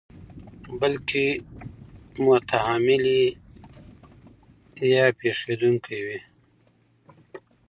بلکې محتملې یا پېښېدونکې وي.